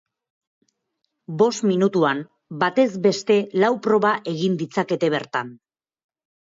Bost minutuan, batez beste lau proba egin ditzakete bertan.